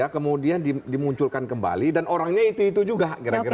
kemudian dimunculkan kembali dan orangnya itu itu juga